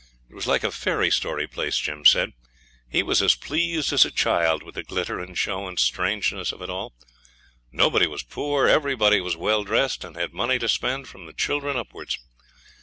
It was like a fairy story place, Jim said; he was as pleased as a child with the glitter and show and strangeness of it all. Nobody was poor, everybody was well dressed, and had money to spend, from the children upwards.